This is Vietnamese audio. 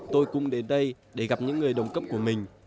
tôi cùng đến đây để gặp những người đồng cấp của mình